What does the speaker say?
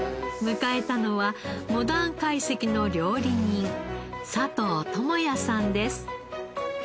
迎えたのはモダン懐石の料理人佐藤智也さんです。